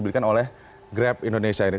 diberikan oleh grab indonesia ini